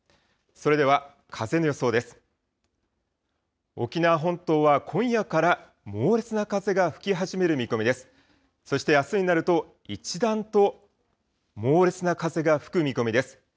そしてあすになると、一段と猛烈な風が吹く見込みです。